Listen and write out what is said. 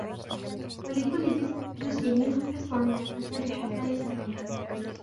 وَلِكُلِّ جُزْءٍ مِنْهُ قِسْطٌ مِنْ الْفَسَادِ حَتَّى يَسْتَكْمِلَ